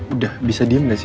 udah bisa diem gak sih